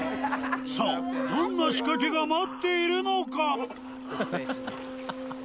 さぁどんな仕掛けが待っているのか？